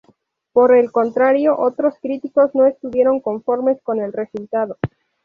Por el contrario, otros críticos no estuvieron conformes con el resultado.